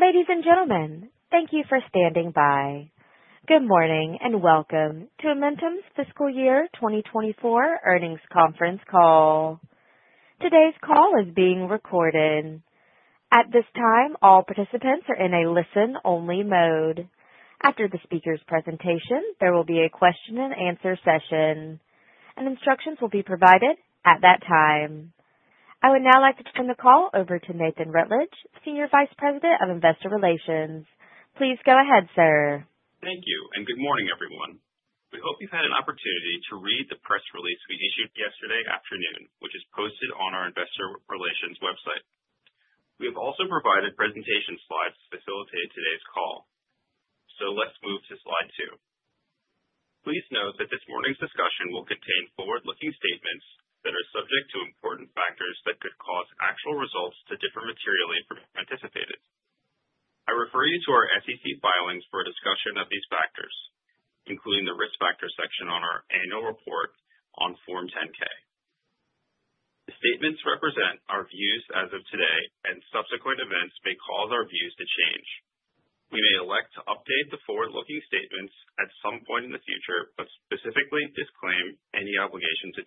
Ladies and gentlemen, thank you for standing by. Good morning and welcome to Amentum's Fiscal Year 2024 Earnings Conference Call. Today's call is being recorded. At this time, all participants are in a listen-only mode. After the speaker's presentation, there will be a question-and-answer session, and instructions will be provided at that time. I would now like to turn the call over to Nathan Rutledge, Senior Vice President of Investor Relations. Please go ahead, sir. Thank you, and good morning, everyone. We hope you've had an opportunity to read the press release we issued yesterday afternoon, which is posted on our investor relations website. We have also provided presentation slides to facilitate today's call. So let's move to slide two. Please note that this morning's discussion will contain forward-looking statements that are subject to important factors that could cause actual results to differ materially from anticipated. I refer you to our SEC filings for a discussion of these factors, including the risk factor section on our annual report on Form 10-K. The statements represent our views as of today, and subsequent events may cause our views to change. We may elect to update the forward-looking statements at some point in the future, but specifically disclaim any obligation to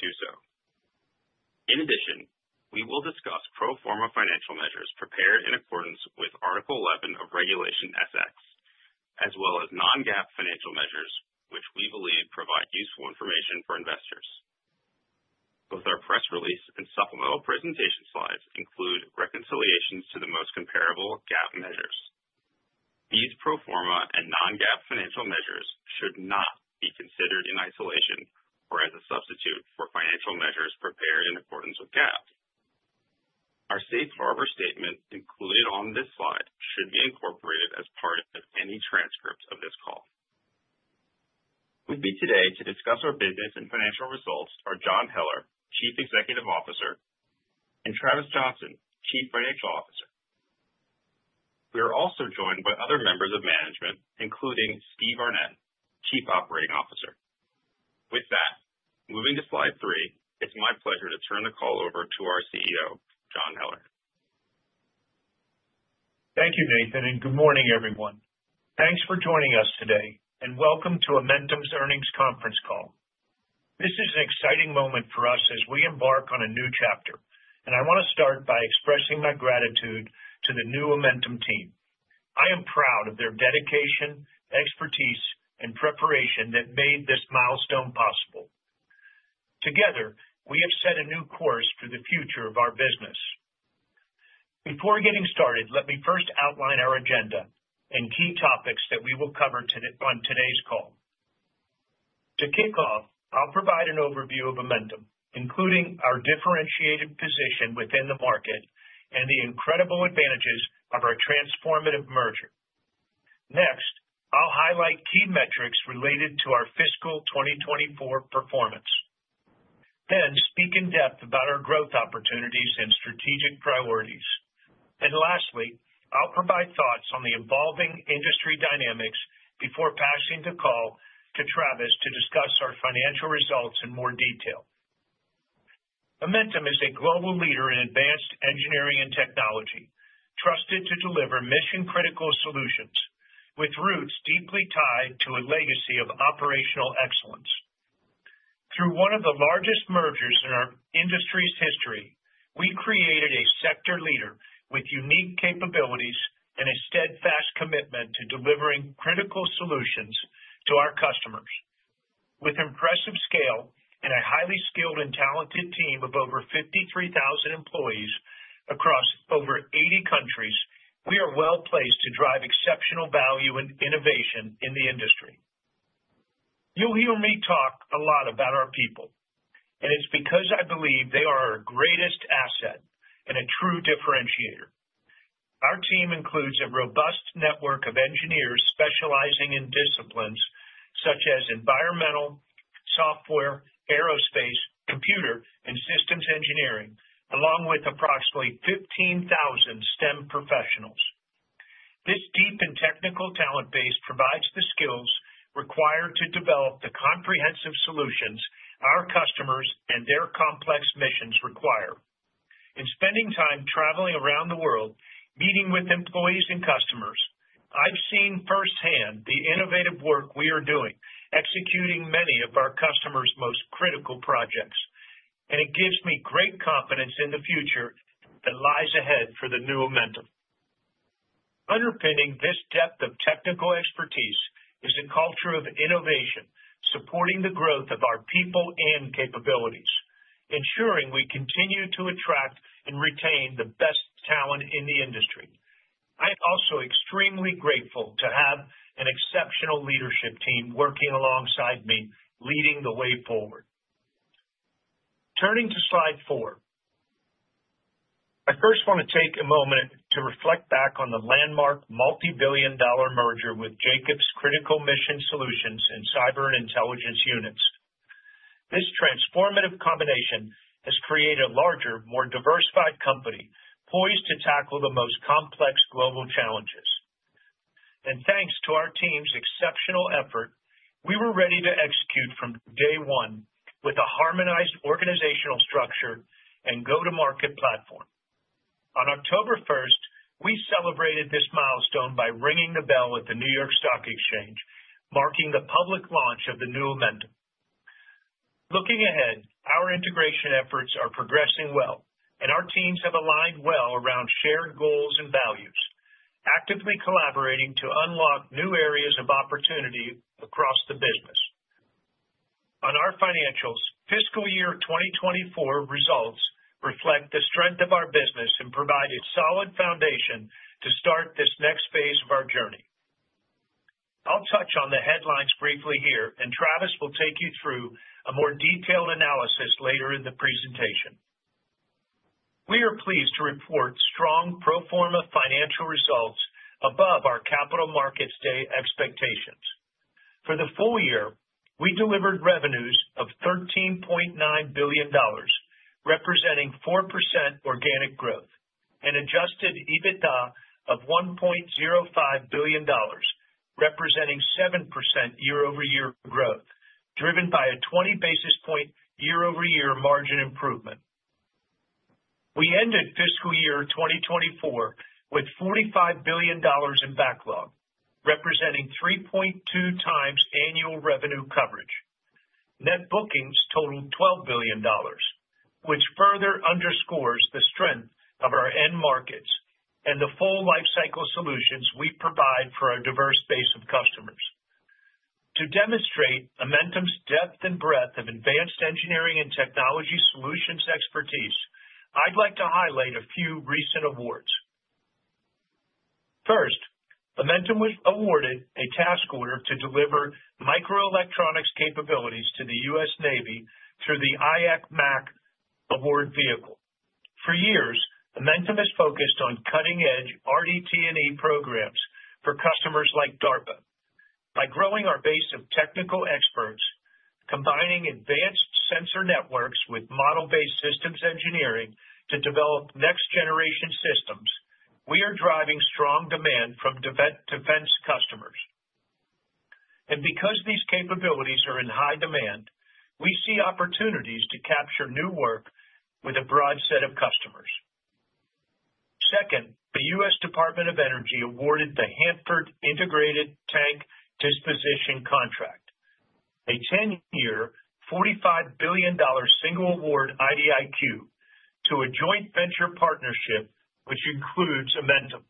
do so. In addition, we will discuss pro forma financial measures prepared in accordance with Article 11 of Regulation S-X, as well as non-GAAP financial measures, which we believe provide useful information for investors. Both our press release and supplemental presentation slides include reconciliations to the most comparable GAAP measures. These pro forma and non-GAAP financial measures should not be considered in isolation or as a substitute for financial measures prepared in accordance with GAAP. Our Safe Harbor statement included on this slide should be incorporated as part of any transcript of this call. With me today to discuss our business and financial results are John Heller, Chief Executive Officer, and Travis Johnson, Chief Financial Officer. We are also joined by other members of management, including Steve Arnette, Chief Operating Officer. With that, moving to slide three, it's my pleasure to turn the call over to our CEO, John Heller. Thank you, Nathan, and good morning, everyone. Thanks for joining us today, and welcome to Amentum's Earnings Conference Call. This is an exciting moment for us as we embark on a new chapter, and I want to start by expressing my gratitude to the new Amentum team. I am proud of their dedication, expertise, and preparation that made this milestone possible. Together, we have set a new course for the future of our business. Before getting started, let me first outline our agenda and key topics that we will cover on today's call. To kick off, I'll provide an overview of Amentum, including our differentiated position within the market and the incredible advantages of our transformative merger. Next, I'll highlight key metrics related to our fiscal 2024 performance. Then, speak in depth about our growth opportunities and strategic priorities. Lastly, I'll provide thoughts on the evolving industry dynamics before passing the call to Travis to discuss our financial results in more detail. Amentum is a global leader in advanced engineering and technology, trusted to deliver mission-critical solutions with roots deeply tied to a legacy of operational excellence. Through one of the largest mergers in our industry's history, we created a sector leader with unique capabilities and a steadfast commitment to delivering critical solutions to our customers. With impressive scale and a highly skilled and talented team of over 53,000 employees across over 80 countries, we are well placed to drive exceptional value and innovation in the industry. You'll hear me talk a lot about our people, and it's because I believe they are our greatest asset and a true differentiator. Our team includes a robust network of engineers specializing in disciplines such as environmental, software, aerospace, computer, and systems engineering, along with approximately 15,000 STEM professionals. This deep and technical talent base provides the skills required to develop the comprehensive solutions our customers and their complex missions require. In spending time traveling around the world, meeting with employees and customers, I've seen firsthand the innovative work we are doing, executing many of our customers' most critical projects, and it gives me great confidence in the future that lies ahead for the new Amentum. Underpinning this depth of technical expertise is a culture of innovation supporting the growth of our people and capabilities, ensuring we continue to attract and retain the best talent in the industry. I'm also extremely grateful to have an exceptional leadership team working alongside me, leading the way forward. Turning to slide four, I first want to take a moment to reflect back on the landmark multi-billion dollar merger with Jacobs' Critical Mission Solutions and Cyber and Intelligence Units. This transformative combination has created a larger, more diversified company poised to tackle the most complex global challenges. And thanks to our team's exceptional effort, we were ready to execute from day one with a harmonized organizational structure and go-to-market platform. On October 1st, we celebrated this milestone by ringing the bell at the New York Stock Exchange, marking the public launch of the new Amentum. Looking ahead, our integration efforts are progressing well, and our teams have aligned well around shared goals and values, actively collaborating to unlock new areas of opportunity across the business. On our financials, fiscal year 2024 results reflect the strength of our business and provide a solid foundation to start this next phase of our journey. I'll touch on the headlines briefly here, and Travis will take you through a more detailed analysis later in the presentation. We are pleased to report strong pro forma financial results above our Capital Markets Day expectations. For the full year, we delivered revenues of $13.9 billion, representing 4% organic growth, and adjusted EBITDA of $1.05 billion, representing 7% year-over-year growth, driven by a 20 basis point year-over-year margin improvement. We ended fiscal year 2024 with $45 billion in backlog, representing 3.2× annual revenue coverage. Net bookings totaled $12 billion, which further underscores the strength of our end markets and the full lifecycle solutions we provide for our diverse base of customers. To demonstrate Amentum's depth and breadth of advanced engineering and technology solutions expertise, I'd like to highlight a few recent awards. First, Amentum was awarded a task order to deliver microelectronics capabilities to the U.S. Navy through the IAC MAC Award Vehicle. For years, Amentum has focused on cutting-edge RDT&E programs for customers like DARPA. By growing our base of technical experts, combining advanced sensor networks with model-based systems engineering to develop next-generation systems, we are driving strong demand from defense customers. And because these capabilities are in high demand, we see opportunities to capture new work with a broad set of customers. Second, the U.S. Department of Energy awarded the Hanford Integrated Tank Disposition Contract, a 10-year, $45 billion single award IDIQ to a joint venture partnership, which includes Amentum.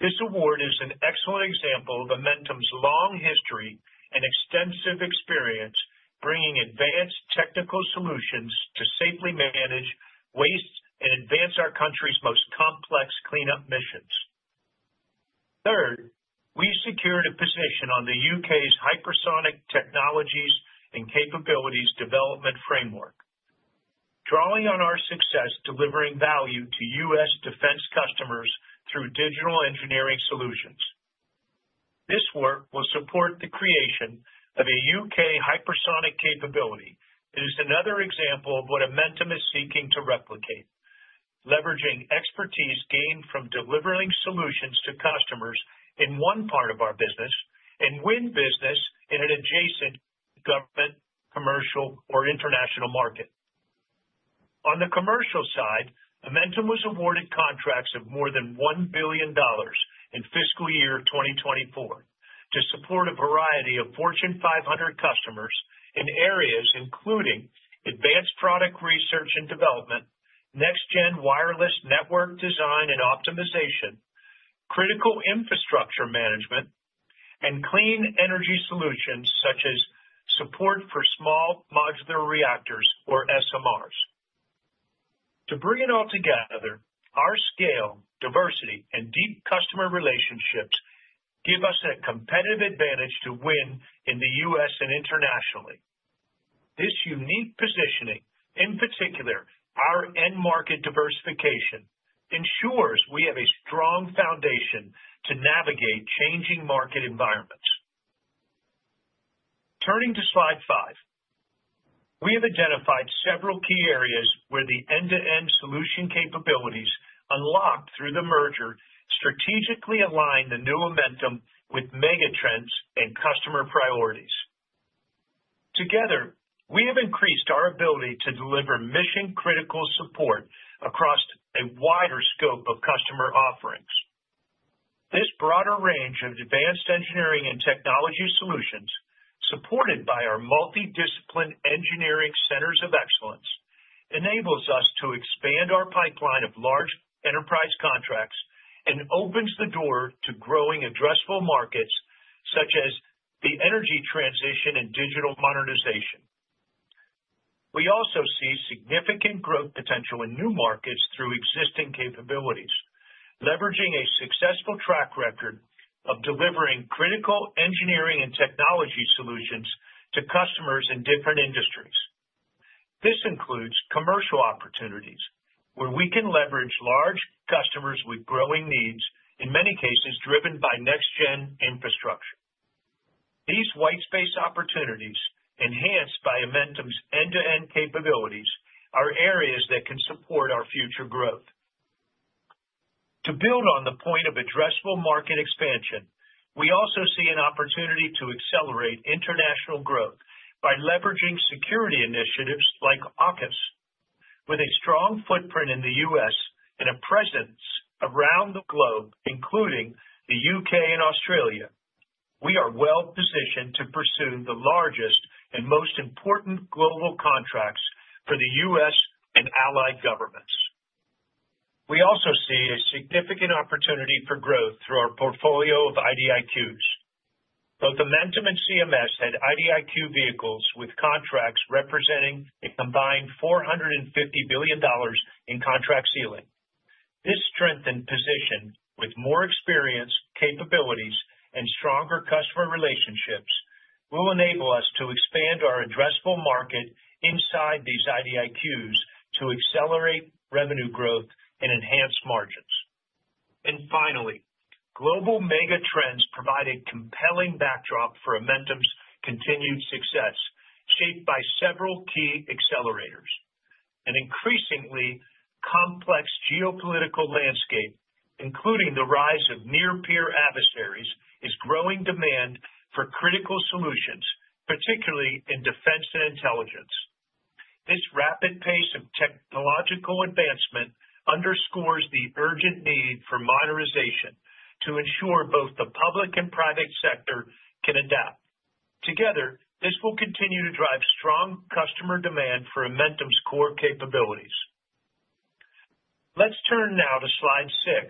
This award is an excellent example of Amentum's long history and extensive experience bringing advanced technical solutions to safely manage waste and advance our country's most complex cleanup missions. Third, we secured a position on the U.K.'s Hypersonic Technologies and Capabilities Development Framework, drawing on our success delivering value to U.S. defense customers through digital engineering solutions. This work will support the creation of a U.K. hypersonic capability. It is another example of what Amentum is seeking to replicate, leveraging expertise gained from delivering solutions to customers in one part of our business and win business in an adjacent government, commercial, or international market. On the commercial side, Amentum was awarded contracts of more than $1 billion in fiscal year 2024 to support a variety of Fortune 500 customers in areas including advanced product research and development, next-gen wireless network design and optimization, critical infrastructure management, and clean energy solutions such as support for small modular reactors, or SMRs. To bring it all together, our scale, diversity, and deep customer relationships give us a competitive advantage to win in the U.S. and internationally. This unique positioning, in particular our end market diversification, ensures we have a strong foundation to navigate changing market environments. Turning to slide five, we have identified several key areas where the end-to-end solution capabilities unlocked through the merger strategically align the new Amentum with mega trends and customer priorities. Together, we have increased our ability to deliver mission-critical support across a wider scope of customer offerings. This broader range of advanced engineering and technology solutions, supported by our multidisciplined engineering centers of excellence, enables us to expand our pipeline of large enterprise contracts and opens the door to growing addressable markets such as the energy transition and digital modernization. We also see significant growth potential in new markets through existing capabilities, leveraging a successful track record of delivering critical engineering and technology solutions to customers in different industries. This includes commercial opportunities where we can leverage large customers with growing needs, in many cases driven by next-gen infrastructure. These white space opportunities, enhanced by Amentum's end-to-end capabilities, are areas that can support our future growth. To build on the point of addressable market expansion, we also see an opportunity to accelerate international growth by leveraging security initiatives like AUKUS. With a strong footprint in the U.S. and a presence around the globe, including the U.K. and Australia, we are well positioned to pursue the largest and most important global contracts for the U.S. and allied governments. We also see a significant opportunity for growth through our portfolio of IDIQs. Both Amentum and CMS had IDIQ vehicles with contracts representing a combined $450 billion in contract ceiling. This strengthened position, with more experience, capabilities, and stronger customer relationships, will enable us to expand our addressable market inside these IDIQs to accelerate revenue growth and enhance margins, and finally, global megatrends provide a compelling backdrop for Amentum's continued success, shaped by several key accelerators. An increasingly complex geopolitical landscape, including the rise of near-peer adversaries, is growing demand for critical solutions, particularly in defense and intelligence. This rapid pace of technological advancement underscores the urgent need for modernization to ensure both the public and private sector can adapt. Together, this will continue to drive strong customer demand for Amentum's core capabilities. Let's turn now to slide six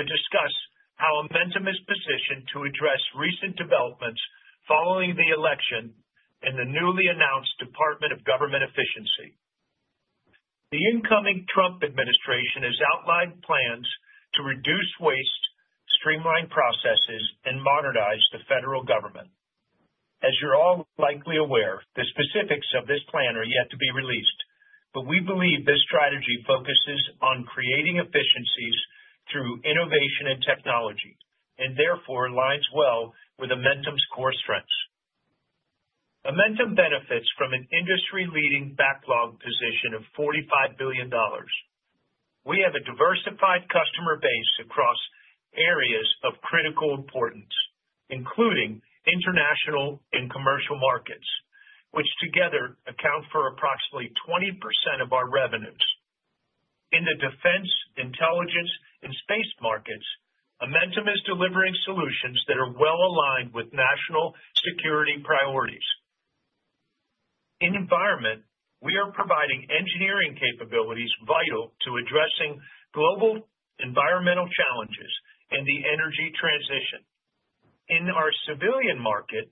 to discuss how Amentum is positioned to address recent developments following the election in the newly announced Department of Government Efficiency. The incoming Trump administration has outlined plans to reduce waste, streamline processes, and modernize the federal government. As you're all likely aware, the specifics of this plan are yet to be released, but we believe this strategy focuses on creating efficiencies through innovation and technology and therefore aligns well with Amentum's core strengths. Amentum benefits from an industry-leading backlog position of $45 billion. We have a diversified customer base across areas of critical importance, including international and commercial markets, which together account for approximately 20% of our revenues. In the defense, intelligence, and space markets, Amentum is delivering solutions that are well aligned with national security priorities. In environment, we are providing engineering capabilities vital to addressing global environmental challenges and the energy transition. In our civilian market,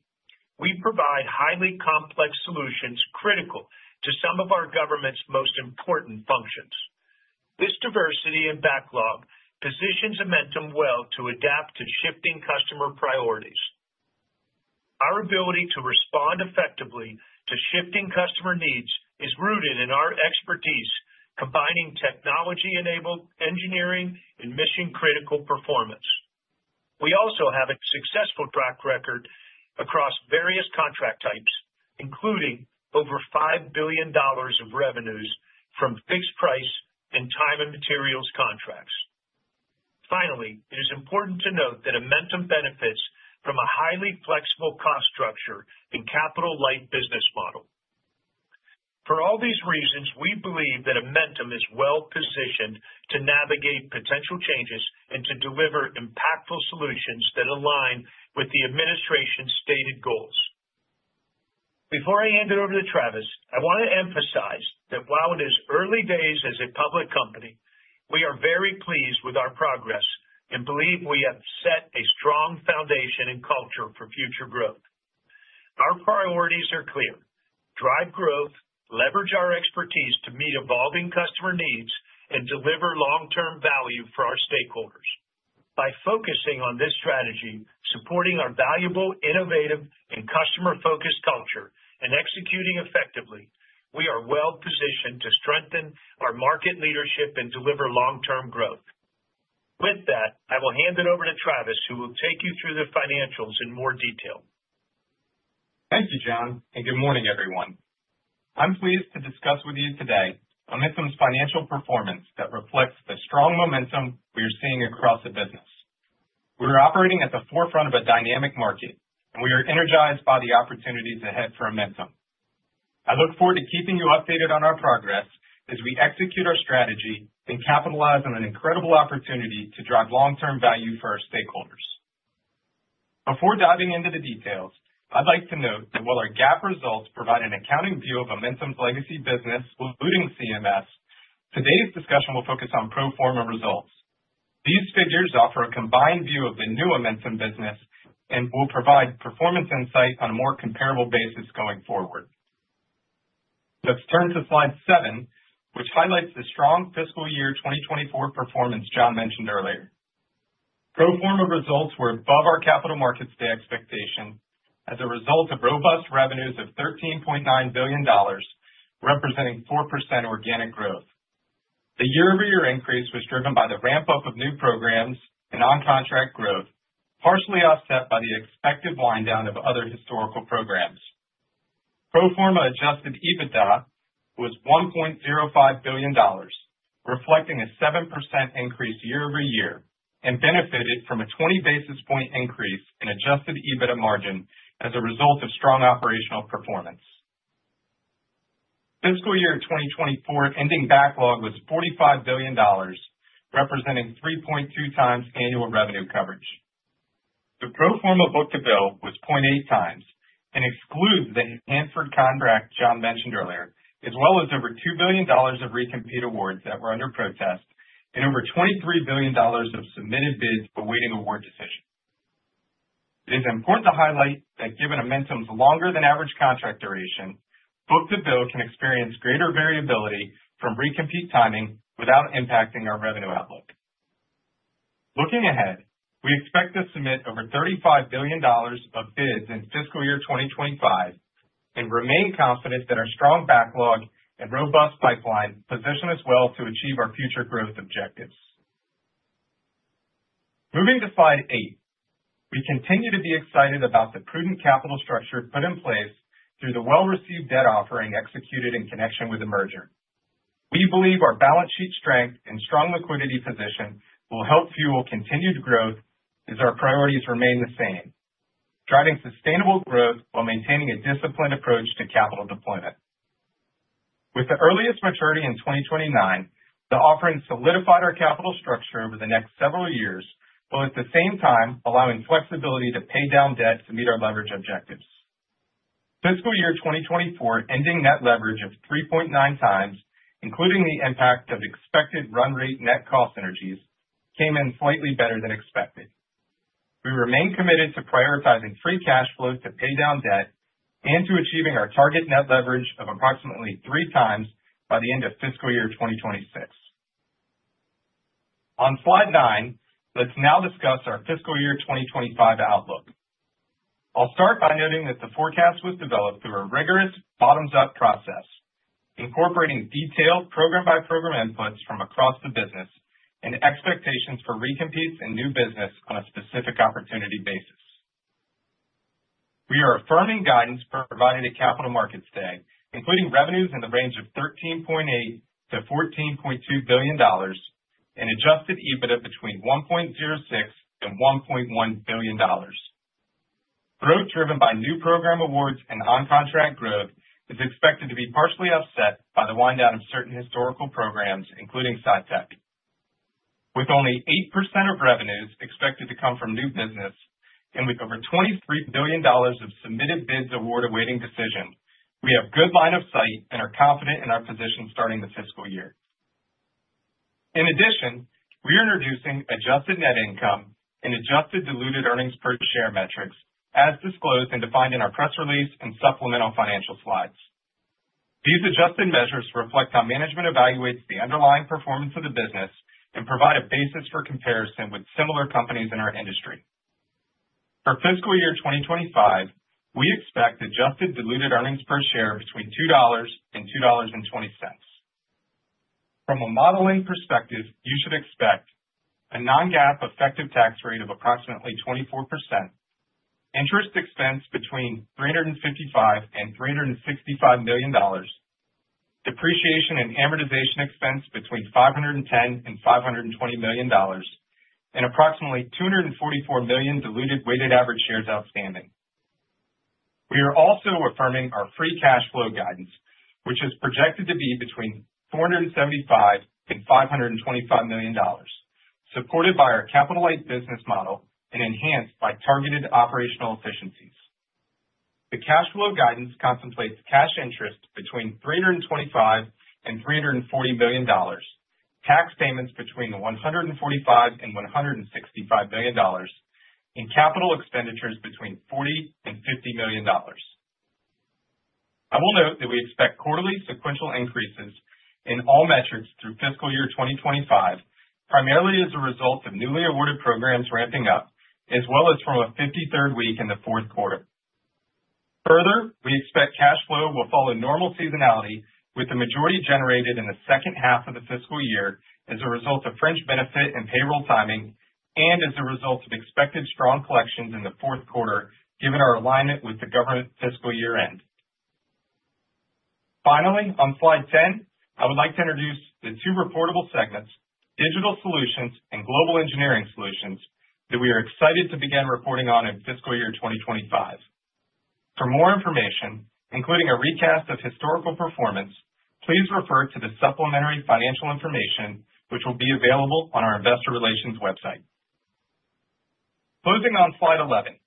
we provide highly complex solutions critical to some of our government's most important functions. This diversity and backlog positions Amentum well to adapt to shifting customer priorities. Our ability to respond effectively to shifting customer needs is rooted in our expertise, combining technology-enabled engineering and mission-critical performance. We also have a successful track record across various contract types, including over $5 billion of revenues from fixed-price and time-and-materials contracts. Finally, it is important to note that Amentum benefits from a highly flexible cost structure and capital-light business model. For all these reasons, we believe that Amentum is well positioned to navigate potential changes and to deliver impactful solutions that align with the administration's stated goals. Before I hand it over to Travis, I want to emphasize that while it is early days as a public company, we are very pleased with our progress and believe we have set a strong foundation and culture for future growth. Our priorities are clear, drive growth, leverage our expertise to meet evolving customer needs, and deliver long-term value for our stakeholders. By focusing on this strategy, supporting our valuable, innovative, and customer-focused culture, and executing effectively, we are well positioned to strengthen our market leadership and deliver long-term growth. With that, I will hand it over to Travis, who will take you through the financials in more detail. Thank you, John, and good morning, everyone. I'm pleased to discuss with you today Amentum's financial performance that reflects the strong momentum we are seeing across the business. We're operating at the forefront of a dynamic market, and we are energized by the opportunities ahead for Amentum. I look forward to keeping you updated on our progress as we execute our strategy and capitalize on an incredible opportunity to drive long-term value for our stakeholders. Before diving into the details, I'd like to note that while our GAAP results provide an accounting view of Amentum's legacy business, including CMS, today's discussion will focus on pro forma results. These figures offer a combined view of the new Amentum business and will provide performance insight on a more comparable basis going forward. Let's turn to slide seven, which highlights the strong fiscal year 2024 performance John mentioned earlier. Pro forma results were above our capital markets' expectations as a result of robust revenues of $13.9 billion, representing 4% organic growth. The year-over-year increase was driven by the ramp-up of new programs and on-contract growth, partially offset by the expected wind-down of other historical programs. Pro forma adjusted EBITDA was $1.05 billion, reflecting a 7% increase year-over-year, and benefited from a 20 basis points increase in adjusted EBITDA margin as a result of strong operational performance. Fiscal year 2024 ending backlog was $45 billion, representing 3.2 times annual revenue coverage. The pro forma book-to-bill was 0.8 times and excludes the Hanford contract John mentioned earlier, as well as over $2 billion of recompete awards that were under protest and over $23 billion of submitted bids awaiting award decision. It is important to highlight that given Amentum's longer-than-average contract duration, book-to-bill can experience greater variability from recompete timing without impacting our revenue outlook. Looking ahead, we expect to submit over $35 billion of bids in fiscal year 2025 and remain confident that our strong backlog and robust pipeline position us well to achieve our future growth objectives. Moving to slide eight, we continue to be excited about the prudent capital structure put in place through the well-received debt offering executed in connection with the merger. We believe our balance sheet strength and strong liquidity position will help fuel continued growth as our priorities remain the same: driving sustainable growth while maintaining a disciplined approach to capital deployment. With the earliest maturity in 2029, the offering solidified our capital structure over the next several years, while at the same time allowing flexibility to pay down debt to meet our leverage objectives. Fiscal year 2024 ending net leverage of 3.9 times, including the impact of expected run-rate net cost synergies, came in slightly better than expected. We remain committed to prioritizing free cash flow to pay down debt and to achieving our target net leverage of approximately three times by the end of fiscal year 2026. On slide nine, let's now discuss our fiscal year 2025 outlook. I'll start by noting that the forecast was developed through a rigorous bottoms-up process, incorporating detailed program-by-program inputs from across the business and expectations for recompetes and new business on a specific opportunity basis. We are affirming guidance provided to capital markets today, including revenues in the range of $13.8 billion-$14.2 billion and adjusted EBITDA between $1.06 billion and $1.1 billion. Growth driven by new program awards and on-contract growth is expected to be partially offset by the wind-down of certain historical programs, including SITEC. With only 8% of revenues expected to come from new business and with over $23 billion of submitted bids award awaiting decision, we have good line of sight and are confident in our position starting the fiscal year. In addition, we are introducing adjusted net income and adjusted diluted earnings per share metrics, as disclosed and defined in our press release and supplemental financial slides. These adjusted measures reflect how management evaluates the underlying performance of the business and provide a basis for comparison with similar companies in our industry. For fiscal year 2025, we expect adjusted diluted earnings per share between $2 and $2.20. From a modeling perspective, you should expect a non-GAAP effective tax rate of approximately 24%, interest expense between $355 million-$365 million, depreciation and amortization expense between $510 million-$520 million, and approximately $244 million diluted weighted average shares outstanding. We are also affirming our free cash flow guidance, which is projected to be between $475 million-$525 million, supported by our capital-light business model and enhanced by targeted operational efficiencies. The cash flow guidance contemplates cash interest between $325 million-$340 million, tax payments between $145 million-$165 million, and capital expenditures between $40 million-$50 million. I will note that we expect quarterly sequential increases in all metrics through fiscal year 2025, primarily as a result of newly awarded programs ramping up, as well as from a 53rd week in the fourth quarter. Further, we expect cash flow will follow normal seasonality, with the majority generated in the second half of the fiscal year as a result of fringe benefit and payroll timing, and as a result of expected strong collections in the fourth quarter, given our alignment with the government fiscal year end. Finally, on slide 10, I would like to introduce the two reportable segments, Digital Solutions and Global Engineering Solutions, that we are excited to begin reporting on in fiscal year 2025. For more information, including a recast of historical performance, please refer to the supplementary financial information, which will be available on our investor relations website. Closing on slide 11,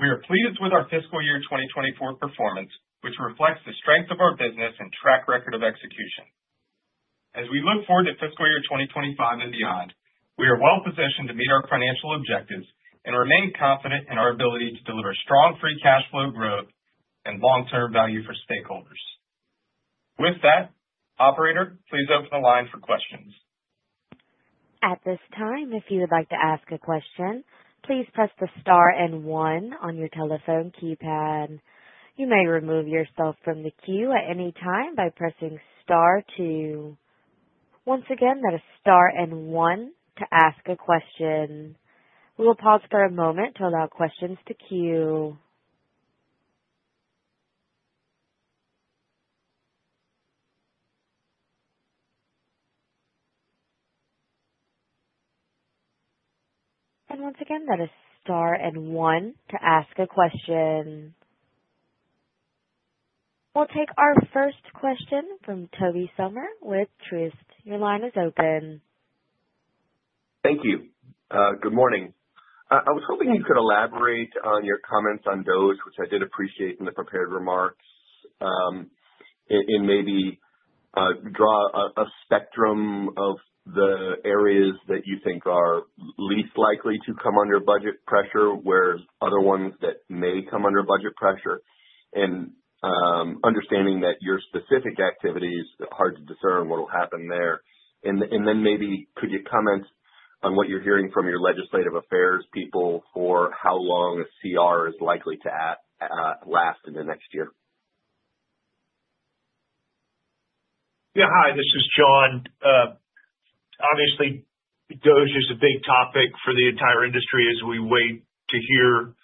we are pleased with our fiscal year 2024 performance, which reflects the strength of our business and track record of execution. As we look forward to fiscal year 2025 and beyond, we are well positioned to meet our financial objectives and remain confident in our ability to deliver strong free cash flow growth and long-term value for stakeholders. With that, Operator, please open the line for questions. At this time, if you would like to ask a question, please press the star and one on your telephone keypad. You may remove yourself from the queue at any time by pressing star two. Once again, that is star and one to ask a question. We will pause for a moment to allow questions to queue. And once again, that is star and one to ask a question. We'll take our first question from Tobey Sommer with Truist Securities. Your line is open. Thank you. Good morning. I was hoping you could elaborate on your comments on those, which I did appreciate in the prepared remarks, and maybe draw a spectrum of the areas that you think are least likely to come under budget pressure, whereas other ones that may come under budget pressure, and understanding that your specific activities are hard to discern what will happen there, and then maybe could you comment on what you're hearing from your legislative affairs people for how long a CR is likely to last in the next year? Yeah, hi. This is John. Obviously, DOGE is a big topic for the entire industry as we wait to hear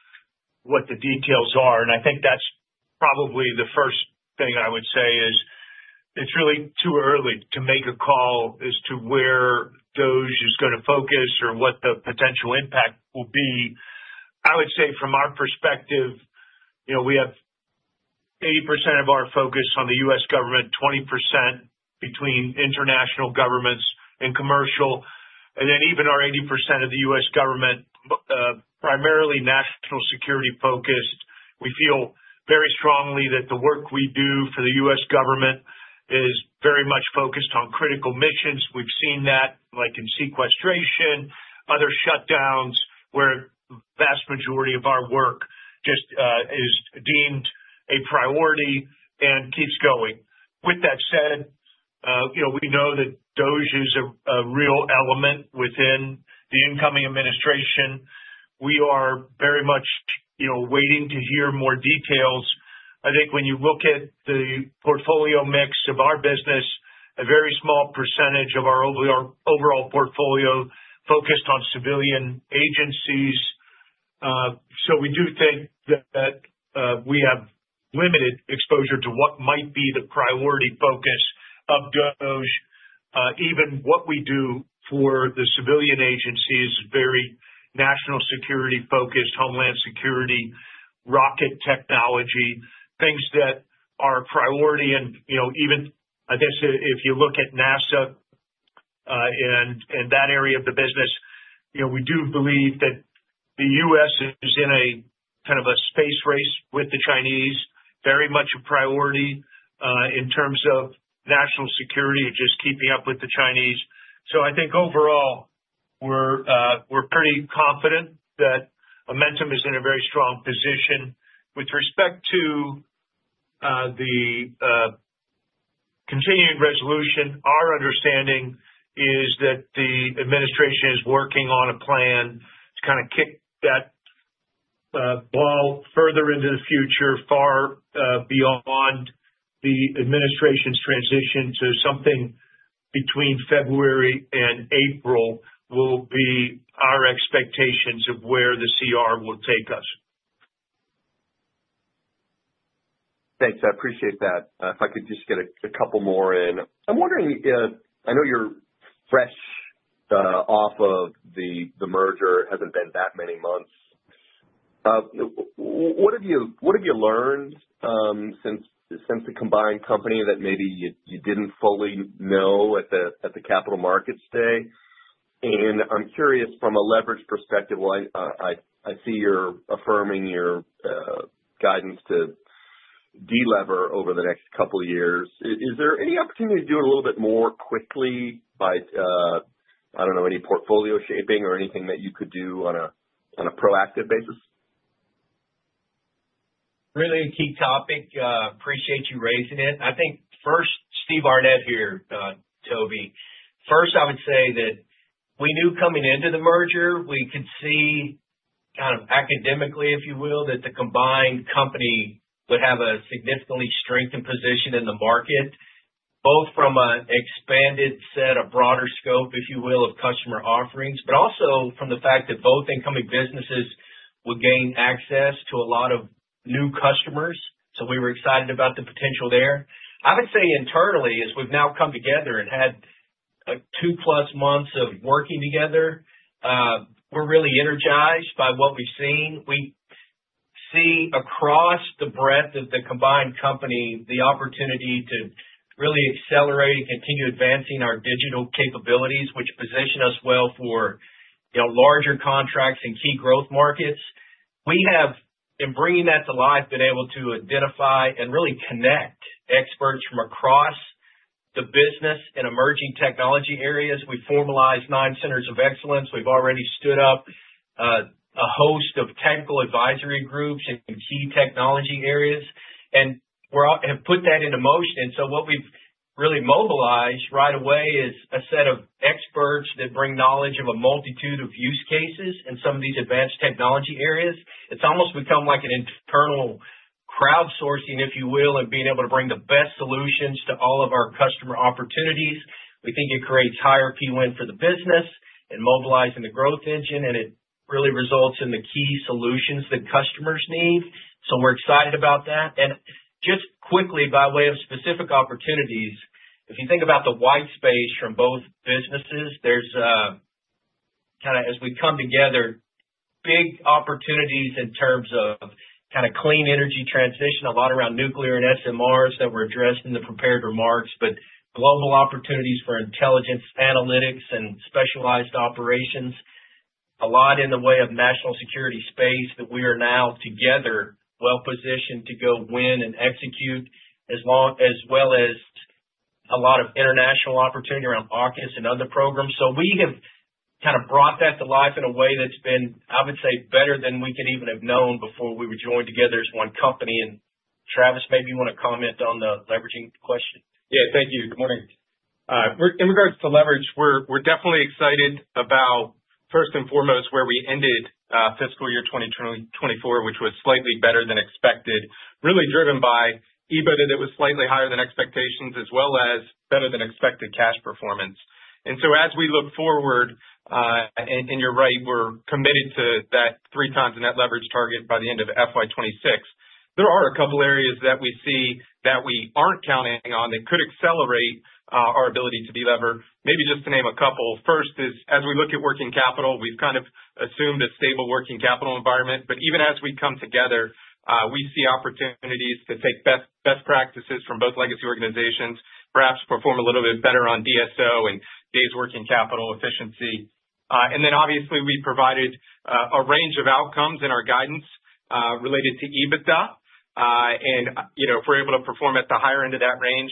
what the details are. And I think that's probably the first thing I would say is it's really too early to make a call as to where DOGE is going to focus or what the potential impact will be. I would say from our perspective, we have 80% of our focus on the U.S. Government, 20% between international governments and commercial, and then even our 80% of the U.S. Government primarily national security focused. We feel very strongly that the work we do for the U.S. Government is very much focused on critical missions. We've seen that in sequestration, other shutdowns, where the vast majority of our work just is deemed a priority and keeps going. With that said, we know that DOGE is a real element within the incoming administration. We are very much waiting to hear more details. I think when you look at the portfolio mix of our business, a very small percentage of our overall portfolio focused on civilian agencies. So we do think that we have limited exposure to what might be the priority focus of DOGE. Even what we do for the civilian agencies is very national security focused, homeland security, rocket technology, things that are priority. And even, I guess, if you look at NASA and that area of the business, we do believe that the U.S. is in a kind of a space race with the Chinese, very much a priority in terms of national security and just keeping up with the Chinese. So I think overall, we're pretty confident that Amentum is in a very strong position. With respect to the continuing resolution, our understanding is that the administration is working on a plan to kind of kick that ball further into the future, far beyond the administration's transition to something between February and April. Will be our expectations of where the CR will take us. Thanks. I appreciate that. If I could just get a couple more in. I'm wondering, I know you're fresh off of the merger, it hasn't been that many months. What have you learned since the combined company that maybe you didn't fully know at the capital markets day? And I'm curious, from a leverage perspective, I see you're affirming your guidance to delever over the next couple of years. Is there any opportunity to do it a little bit more quickly by, I don't know, any portfolio shaping or anything that you could do on a proactive basis? Really a key topic. Appreciate you raising it. I think first, Steve Arnette here, Tobey. First, I would say that we knew coming into the merger, we could see kind of academically, if you will, that the combined company would have a significantly strengthened position in the market, both from an expanded set of broader scope, if you will, of customer offerings, but also from the fact that both incoming businesses would gain access to a lot of new customers. So we were excited about the potential there. I would say internally, as we've now come together and had two-plus months of working together, we're really energized by what we've seen. We see across the breadth of the combined company the opportunity to really accelerate and continue advancing our digital capabilities, which position us well for larger contracts and key growth markets. We have, in bringing that to life, been able to identify and really connect experts from across the business and emerging technology areas. We formalized nine centers of excellence. We've already stood up a host of technical advisory groups in key technology areas, and we have put that into motion. And so what we've really mobilized right away is a set of experts that bring knowledge of a multitude of use cases in some of these advanced technology areas. It's almost become like an internal crowdsourcing, if you will, and being able to bring the best solutions to all of our customer opportunities. We think it creates higher PWin for the business and mobilizing the growth engine, and it really results in the key solutions that customers need. So we're excited about that. And just quickly, by way of specific opportunities, if you think about the white space from both businesses, there's kind of, as we come together, big opportunities in terms of kind of clean energy transition, a lot around nuclear and SMRs that were addressed in the prepared remarks, but global opportunities for intelligence, analytics, and specialized operations, a lot in the way of national security space that we are now together well positioned to go win and execute, as well as a lot of international opportunity around AUKUS and other programs. So we have kind of brought that to life in a way that's been, I would say, better than we could even have known before we were joined together as one company. And Travis, maybe you want to comment on the leveraging question? Yeah, thank you. Good morning. In regards to leverage, we're definitely excited about, first and foremost, where we ended fiscal year 2024, which was slightly better than expected, really driven by EBITDA that was slightly higher than expectations, as well as better than expected cash performance. And so as we look forward, and you're right, we're committed to that three times net leverage target by the end of FY26. There are a couple of areas that we see that we aren't counting on that could accelerate our ability to deliver. Maybe just to name a couple. First is, as we look at working capital, we've kind of assumed a stable working capital environment. But even as we come together, we see opportunities to take best practices from both legacy organizations, perhaps perform a little bit better on DSO and day's working capital efficiency. And then, obviously, we provided a range of outcomes in our guidance related to EBITDA. And if we're able to perform at the higher end of that range,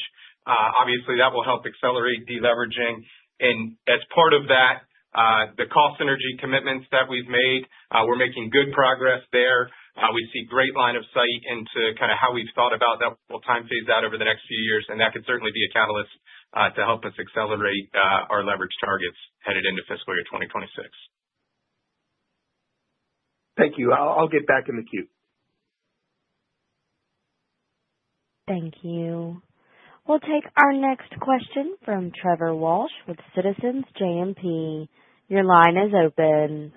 obviously, that will help accelerate deleveraging. And as part of that, the cost synergy commitments that we've made, we're making good progress there. We see great line of sight into kind of how we've thought about that. We'll time phase that over the next few years, and that could certainly be a catalyst to help us accelerate our leverage targets headed into fiscal year 2026. Thank you. I'll get back in the queue. Thank you. We'll take our next question from Trevor Walsh with Citizens JMP. Your line is open.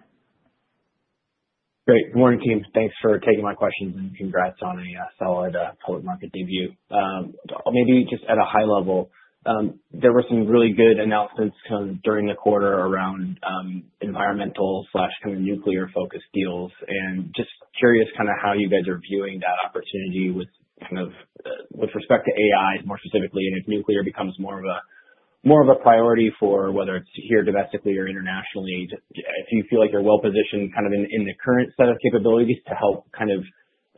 Great. Good morning, team. Thanks for taking my questions and congrats on a solid public market debut. Maybe just at a high level, there were some really good announcements during the quarter around environmental/nuclear-focused deals, and just curious kind of how you guys are viewing that opportunity with respect to AI, more specifically, and if nuclear becomes more of a priority for whether it's here domestically or internationally. Do you feel like you're well positioned kind of in the current set of capabilities to help kind of,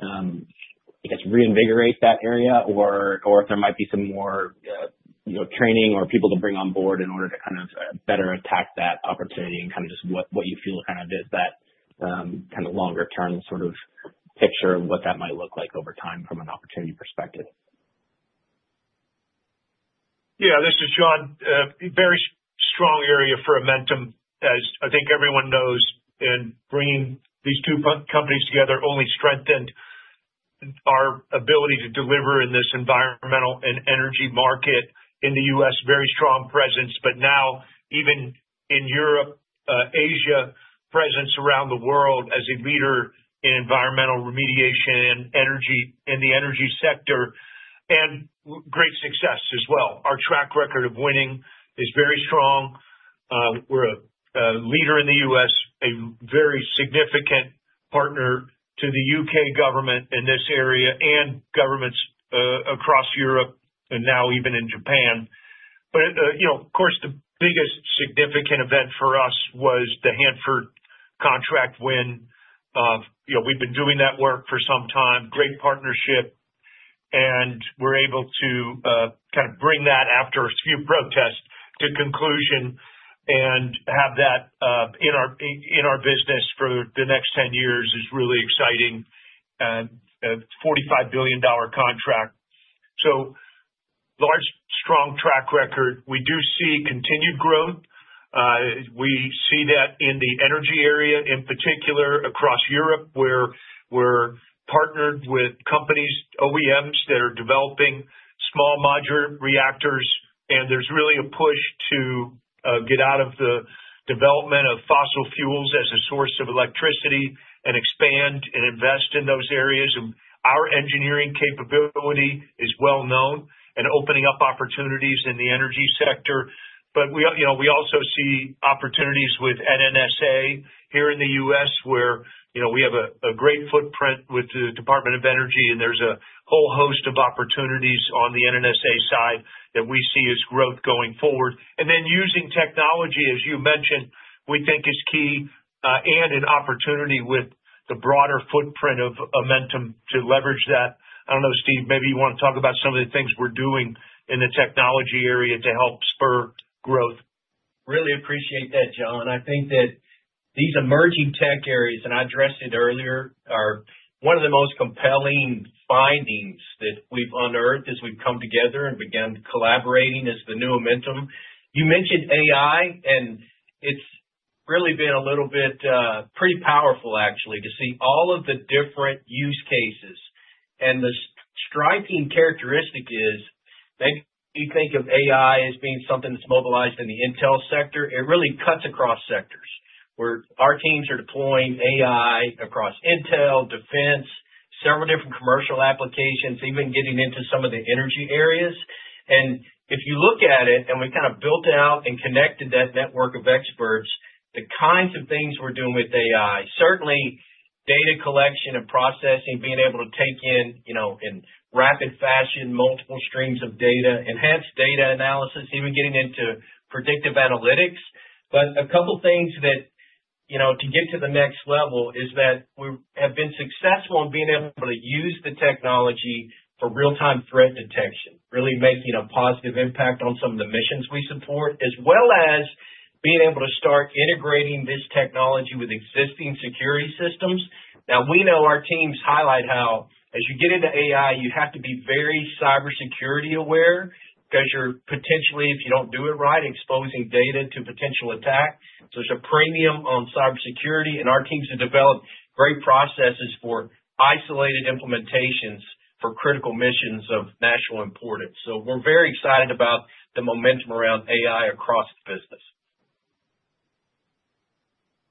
I guess, reinvigorate that area, or if there might be some more training or people to bring on board in order to kind of better attack that opportunity and kind of just what you feel kind of is that kind of longer-term sort of picture of what that might look like over time from an opportunity perspective? Yeah, this is John. Very strong area for Amentum, as I think everyone knows, and bringing these two companies together only strengthened our ability to deliver in this environmental and energy market in the U.S., very strong presence, but now even in Europe, Asia presence around the world as a leader in environmental remediation and energy in the energy sector, and great success as well. Our track record of winning is very strong. We're a leader in the U.S., a very significant partner to the U.K. government in this area and governments across Europe, and now even in Japan. But of course, the biggest significant event for us was the Hanford contract win. We've been doing that work for some time, great partnership, and we're able to kind of bring that, after a few protests, to conclusion and have that in our business for the next 10 years, is really exciting, a $45 billion contract. So, large, strong track record. We do see continued growth. We see that in the energy area in particular across Europe, where we're partnered with companies, OEMs that are developing small modular reactors, and there's really a push to get out of the development of fossil fuels as a source of electricity and expand and invest in those areas. Our engineering capability is well known and opening up opportunities in the energy sector. But we also see opportunities with NNSA here in the U.S., where we have a great footprint with the Department of Energy, and there's a whole host of opportunities on the NNSA side that we see as growth going forward. And then using technology, as you mentioned, we think is key and an opportunity with the broader footprint of Amentum to leverage that. I don't know, Steve, maybe you want to talk about some of the things we're doing in the technology area to help spur growth. Really appreciate that, John. I think that these emerging tech areas, and I addressed it earlier, are one of the most compelling findings that we've unearthed as we've come together and began collaborating as the new Amentum. You mentioned AI, and it's really been a little bit pretty powerful, actually, to see all of the different use cases. And the striking characteristic is, maybe you think of AI as being something that's mobilized in the intel sector. It really cuts across sectors where our teams are deploying AI across intel, defense, several different commercial applications, even getting into some of the energy areas. And if you look at it, and we kind of built out and connected that network of experts, the kinds of things we're doing with AI, certainly data collection and processing, being able to take in rapid fashion multiple streams of data, enhanced data analysis, even getting into predictive analytics. But a couple of things that to get to the next level is that we have been successful in being able to use the technology for real-time threat detection, really making a positive impact on some of the missions we support, as well as being able to start integrating this technology with existing security systems. Now, we know our teams highlight how, as you get into AI, you have to be very cybersecurity aware because you're potentially, if you don't do it right, exposing data to potential attack. So there's a premium on cybersecurity, and our teams have developed great processes for isolated implementations for critical missions of national importance. So we're very excited about the momentum around AI across the business.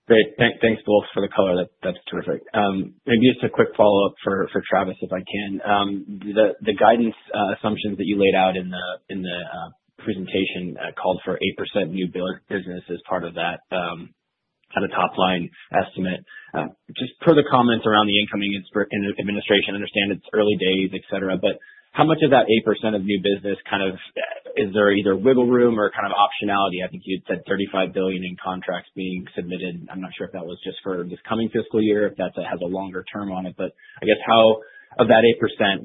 Great. Thanks, for the color. That's terrific. Maybe just a quick follow-up for Travis, if I can. The guidance assumptions that you laid out in the presentation called for 8% new business as part of that kind of top-line estimate. Just per the comments around the incoming administration, I understand it's early days, etc., but how much of that 8% of new business kind of is there either wiggle room or kind of optionality? I think you'd said $35 billion in contracts being submitted. I'm not sure if that was just for this coming fiscal year, if that has a longer term on it. But I guess how of that 8%,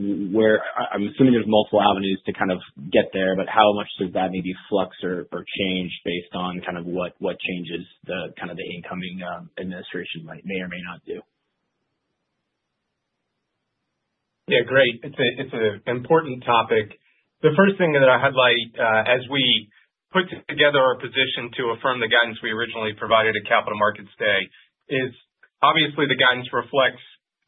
I'm assuming there's multiple avenues to kind of get there, but how much does that maybe flux or change based on kind of what changes kind of the incoming administration may or may not do? Yeah, great. It's an important topic. The first thing that I highlight as we put together our position to affirm the guidance we originally provided at Capital Markets Day is, obviously, the guidance reflects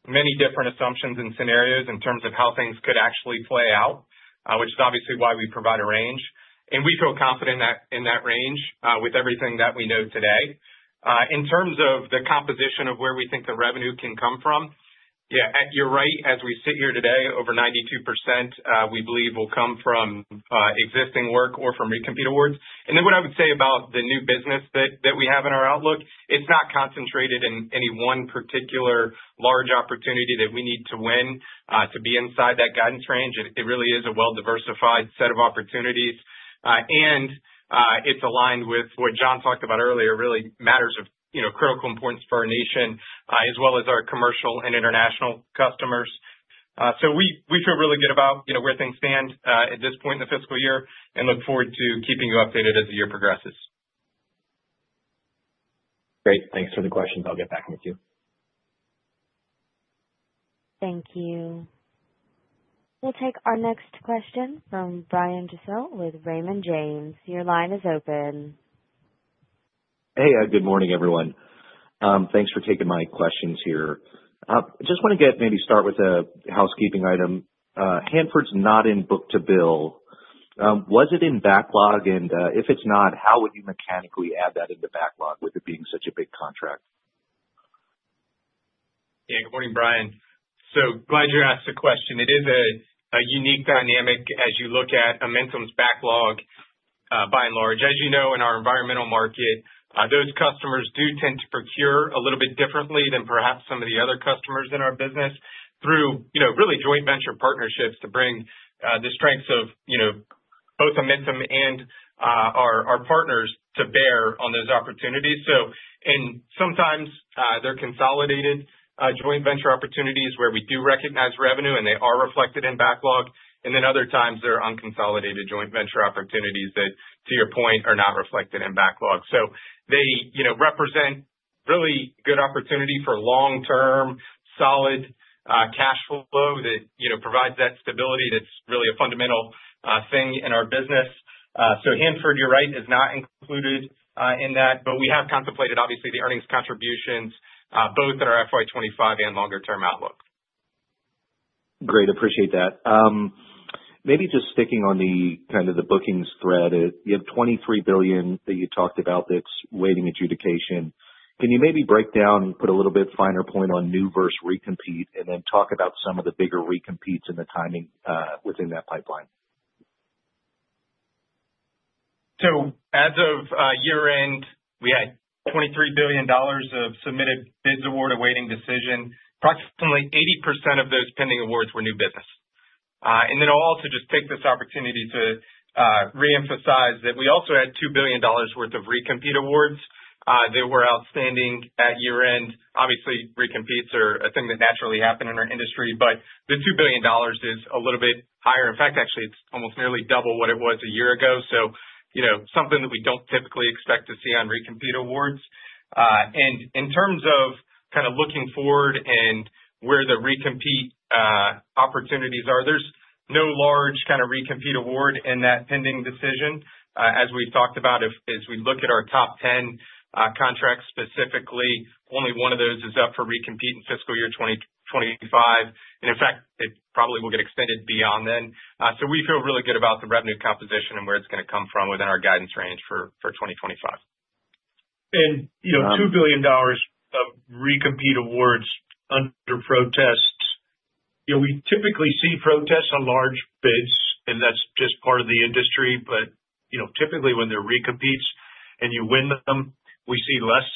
many different assumptions and scenarios in terms of how things could actually play out, which is obviously why we provide a range, and we feel confident in that range with everything that we know today. In terms of the composition of where we think the revenue can come from, yeah, you're right. As we sit here today, over 92%, we believe will come from existing work or from recompete awards, and then what I would say about the new business that we have in our outlook, it's not concentrated in any one particular large opportunity that we need to win to be inside that guidance range. It really is a well-diversified set of opportunities, and it's aligned with what John talked about earlier, really matters of critical importance for our nation, as well as our commercial and international customers. So we feel really good about where things stand at this point in the fiscal year and look forward to keeping you updated as the year progresses. Great. Thanks for the questions. I'll get back in with you. Thank you. We'll take our next question from Brian Gesuale with Raymond James. Your line is open. Hey, good morning, everyone. Thanks for taking my questions here. Just want to maybe start with a housekeeping item. Hanford's not in book-to-bill. Was it in backlog? And if it's not, how would you mechanically add that into backlog with it being such a big contract? Yeah, good morning, Brian. So glad you asked the question. It is a unique dynamic as you look at Amentum's backlog by and large. As you know, in our environmental market, those customers do tend to procure a little bit differently than perhaps some of the other customers in our business through really joint venture partnerships to bring the strengths of both Amentum and our partners to bear on those opportunities. And sometimes they're consolidated joint venture opportunities where we do recognize revenue, and they are reflected in backlog. And then other times, they're unconsolidated joint venture opportunities that, to your point, are not reflected in backlog. So they represent really good opportunity for long-term solid cash flow that provides that stability that's really a fundamental thing in our business. So Hanford, you're right, is not included in that, but we have contemplated, obviously, the earnings contributions both at our FY25 and longer-term outlook. Great. Appreciate that. Maybe just sticking on the kind of the bookings thread, you have $23 billion that you talked about that's waiting adjudication. Can you maybe break down and put a little bit finer point on new versus recompete and then talk about some of the bigger recompetes and the timing within that pipeline? As of year-end, we had $23 billion of submitted bids, award awaiting decision. Approximately 80% of those pending awards were new business. And then I'll also just take this opportunity to reemphasize that we also had $2 billion worth of recompete awards that were outstanding at year-end. Obviously, recompetes are a thing that naturally happen in our industry, but the $2 billion is a little bit higher. In fact, actually, it's almost nearly double what it was a year ago, so something that we don't typically expect to see on recompete awards. In terms of kind of looking forward and where the recompete opportunities are, there's no large kind of recompete award in that pending decision. As we've talked about, as we look at our top 10 contracts specifically, only one of those is up for recompete in fiscal year 2025. In fact, it probably will get extended beyond then. We feel really good about the revenue composition and where it's going to come from within our guidance range for 2025. $2 billion of recompete awards under protests. We typically see protests on large bids, and that's just part of the industry. Typically, when there are recompetes and you win them, we see less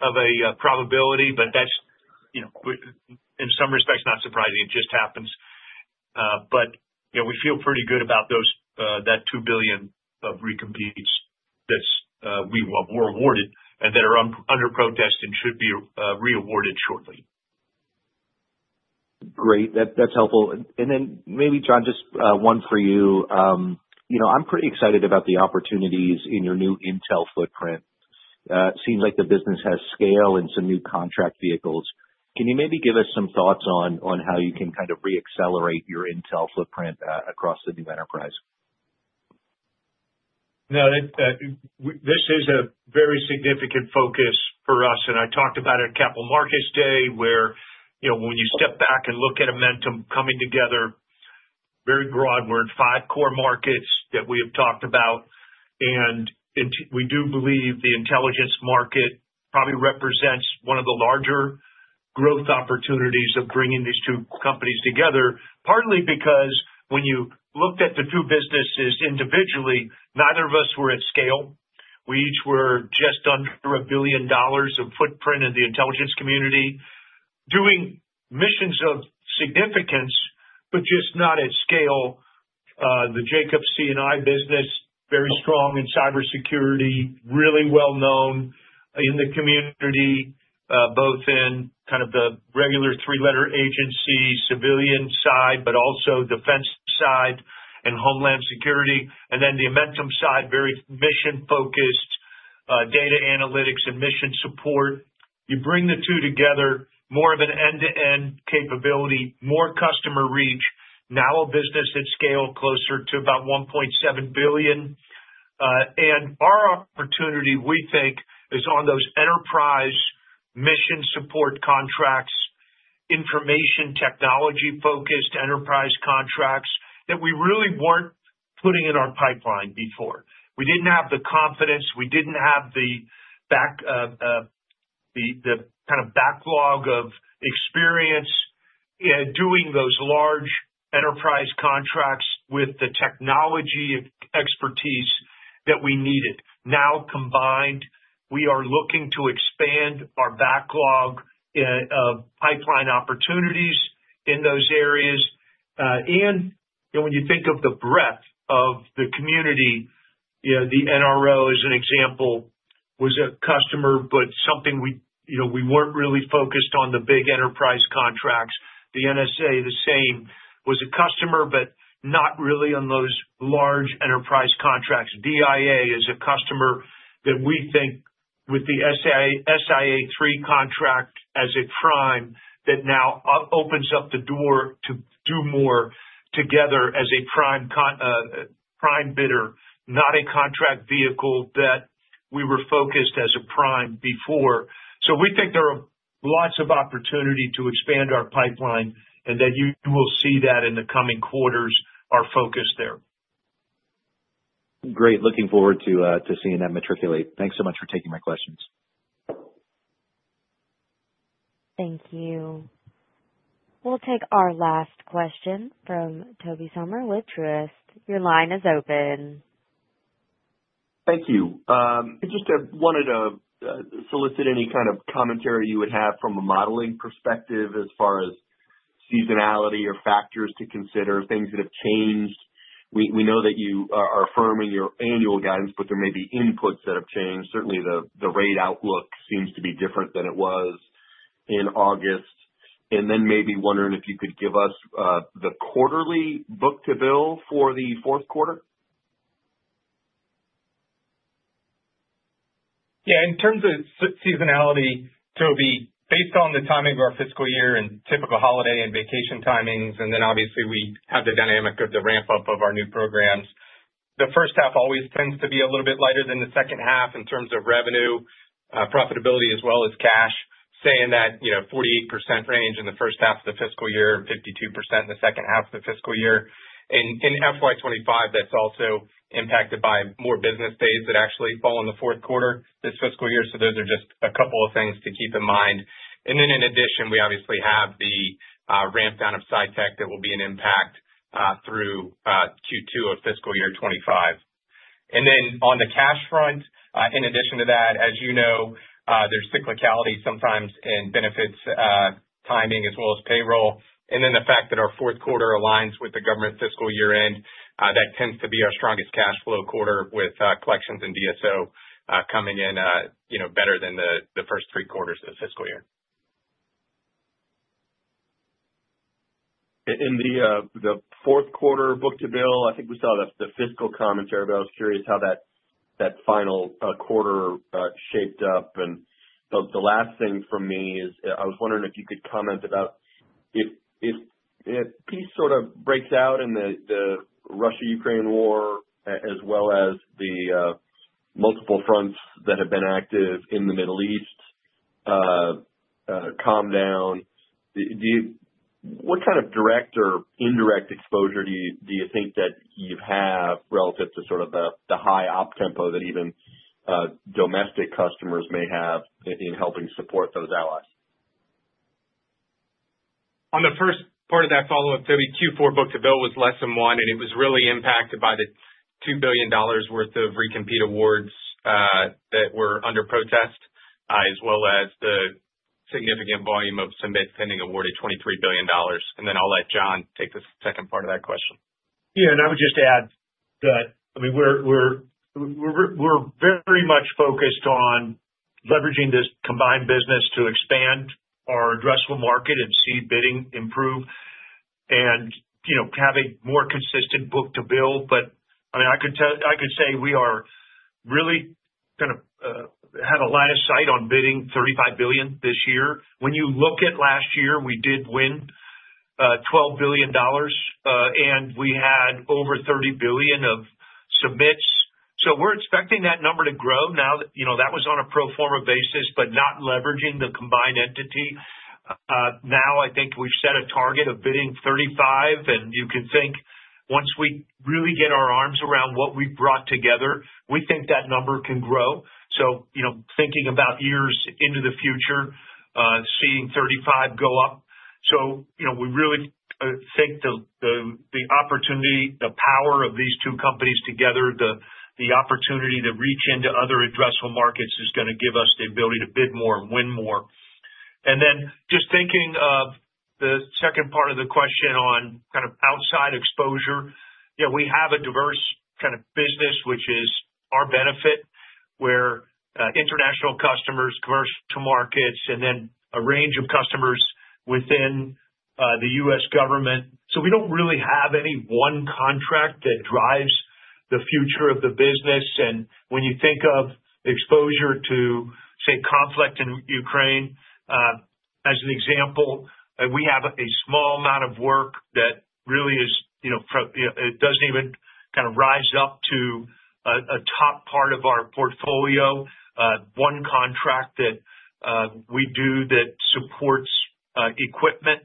of a probability, but that's, in some respects, not surprising. It just happens. But we feel pretty good about that $2 billion of recompetes that we were awarded and that are under protest and should be reawarded shortly. Great. That's helpful. And then maybe, John, just one for you. I'm pretty excited about the opportunities in your new intel footprint. It seems like the business has scale and some new contract vehicles. Can you maybe give us some thoughts on how you can kind of reaccelerate your intel footprint across the new enterprise? No, this is a very significant focus for us. And I talked about it at Capital Markets Day, where, when you step back and look at Amentum coming together, very broad, we're in five core markets that we have talked about. We do believe the intelligence market probably represents one of the larger growth opportunities of bringing these two companies together, partly because when you looked at the two businesses individually, neither of us were at scale. We each were just under $1 billion of footprint in the intelligence community, doing missions of significance, but just not at scale. The Jacobs C&I business, very strong in cybersecurity, really well-known in the community, both in kind of the regular three-letter agency civilian side, but also defense side and homeland security. Then the Amentum side, very mission-focused, data analytics and mission support. You bring the two together, more of an end-to-end capability, more customer reach, now a business at scale closer to about $1.7 billion. Our opportunity, we think, is on those enterprise mission support contracts, information technology-focused enterprise contracts that we really weren't putting in our pipeline before. We didn't have the confidence. We didn't have the kind of backlog of experience doing those large enterprise contracts with the technology expertise that we needed. Now combined, we are looking to expand our backlog of pipeline opportunities in those areas, and when you think of the breadth of the community, the NRO, as an example, was a customer, but something we weren't really focused on, the big enterprise contracts. The NSA, the same, was a customer, but not really on those large enterprise contracts. DIA is a customer that we think, with the SIA-3 contract as a prime, that now opens up the door to do more together as a prime bidder, not a contract vehicle that we were focused as a prime before. So we think there are lots of opportunity to expand our pipeline, and then you will see that in the coming quarters, our focus there. Great. Looking forward to seeing that materialize. Thanks so much for taking my questions. Thank you. We'll take our last question from Tobey Sommer with Truist. Your line is open. Thank you. Just wanted to solicit any kind of commentary you would have from a modeling perspective as far as seasonality or factors to consider, things that have changed. We know that you are affirming your annual guidance, but there may be inputs that have changed. Certainly, the rate outlook seems to be different than it was in August. And then maybe wondering if you could give us the quarterly book-to-bill for the fourth quarter. Yeah. In terms of seasonality, Tobey, based on the timing of our fiscal year and typical holiday and vacation timings, and then obviously we have the dynamic of the ramp-up of our new programs, the first half always tends to be a little bit lighter than the second half in terms of revenue, profitability, as well as cash, saying that 48% range in the first half of the fiscal year and 52% in the second half of the fiscal year. In FY25, that's also impacted by more business days that actually fall in the fourth quarter this fiscal year, so those are just a couple of things to keep in mind, and then in addition, we obviously have the ramp-down of SITEC that will be an impact through Q2 of fiscal year 2025. And then on the cash front, in addition to that, as you know, there's cyclicality sometimes in benefits timing as well as payroll. And then the fact that our fourth quarter aligns with the government fiscal year-end, that tends to be our strongest cash flow quarter with collections and DSO coming in better than the first three quarters of the fiscal year. In the fourth quarter book-to-bill, I think we saw the fiscal commentary, but I was curious how that final quarter shaped up. And the last thing for me is I was wondering if you could comment about if peace sort of breaks out in the Russia-Ukraine war, as well as the multiple fronts that have been active in the Middle East calm down, what kind of direct or indirect exposure do you think that you have relative to sort of the high op tempo that even domestic customers may have in helping support those allies? On the first part of that follow-up, Tobey, Q4 book-to-bill was less than one, and it was really impacted by the $2 billion worth of recompete awards that were under protest, as well as the significant volume of submits pending award $23 billion. And then I'll let John take the second part of that question. Yeah. I would just add that, I mean, we're very much focused on leveraging this combined business to expand our addressable market and see bidding, improve, and have a more consistent book-to-bill. But I mean, I could say we are really kind of have a line of sight on bidding $35 billion this year. When you look at last year, we did win $12 billion, and we had over $30 billion of submits. So we're expecting that number to grow now. That was on a pro forma basis, but not leveraging the combined entity. Now, I think we've set a target of bidding $35, and you can think once we really get our arms around what we've brought together, we think that number can grow. So thinking about years into the future, seeing $35 go up. So we really think the opportunity, the power of these two companies together, the opportunity to reach into other addressable markets is going to give us the ability to bid more and win more. And then just thinking of the second part of the question on kind of outside exposure, we have a diverse kind of business, which is our benefit, where international customers, commercial markets, and then a range of customers within the U.S. Government. So we don't really have any one contract that drives the future of the business. And when you think of exposure to, say, conflict in Ukraine, as an example, we have a small amount of work that really is, it doesn't even kind of rise up to a top part of our portfolio. One contract that we do that supports equipment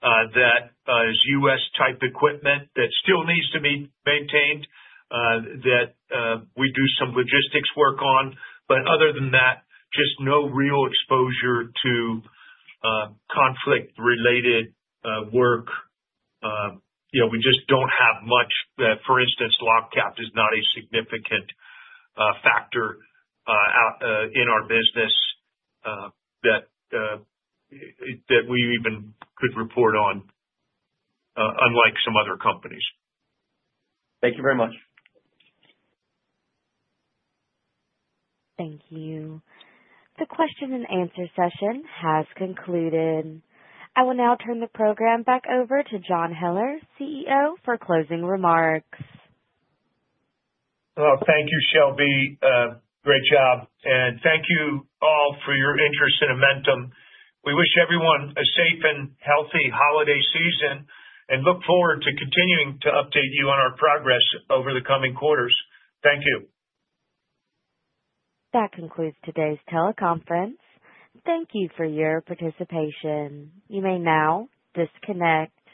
that is U.S.-type equipment that still needs to be maintained, that we do some logistics work on. But other than that, just no real exposure to conflict-related work. We just don't have much. For instance, LOGCAP is not a significant factor in our business that we even could report on, unlike some other companies. Thank you very much. Thank you. The question-and-answer session has concluded. I will now turn the program back over to John Heller, CEO, for closing remarks. Well, thank you, Shelby. Great job. And thank you all for your interest in Amentum. We wish everyone a safe and healthy holiday season and look forward to continuing to update you on our progress over the coming quarters. Thank you. That concludes today's teleconference. Thank you for your participation. You may now disconnect.